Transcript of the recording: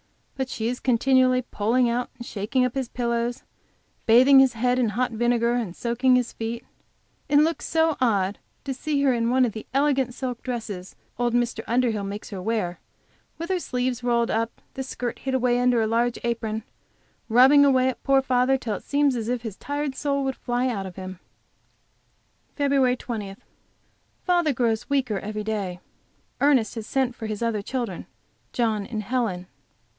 But she is continually pulling out and shaking up his pillows, bathing his head in hot vinegar and soaking his feet. It looks so odd to see her in one of the elegant silk dresses old Mr. Underhill makes her wear, with her sleeves rolled up, the skirt hid away under a large apron, rubbing away at poor father till it seems as if his tired soul would fly out of him. FEB. 20. Father grows weaker every day. Ernest has sent for his other children, John and Helen.